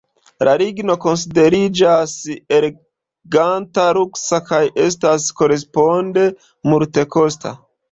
La ligno konsideriĝas eleganta, luksa kaj estas koresponde multekosta.